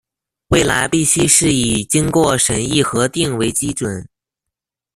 未來必須是以經過審議核定為基準